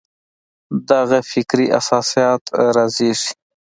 دغه فکري اساسات رازېږي.